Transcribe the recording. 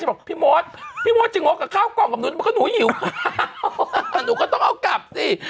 บอกพี่มดพี่มดจริงเอากับข้าวกล่องกับหนูก็หนูหิวหนูก็ต้องเอากลับสิ